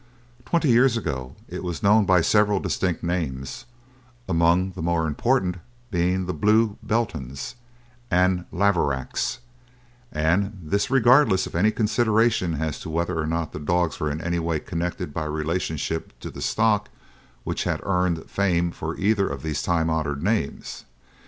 Twenty years ago it was known by several distinct names, among the more important being the Blue Beltons and Laveracks, and this regardless of any consideration as to whether or not the dogs were in any way connected by relationship to the stock which had earned fame for either of these time honoured names.